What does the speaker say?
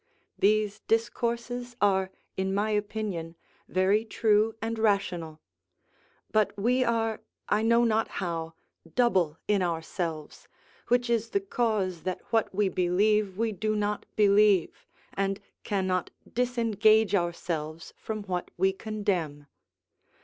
These discourses are, in my opinion, very true and rational; but we are, I know not how, double in ourselves, which is the cause that what we believe we do not believe, and cannot disengage ourselves from what we condemn.